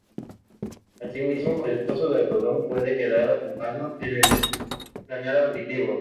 Asimismo, el trozo de algodón puede quedar atrapado en el canal auditivo.